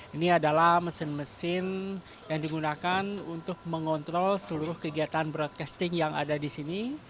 ini adalah mesin mesin yang digunakan untuk mengontrol seluruh kegiatan broadcasting yang ada di sini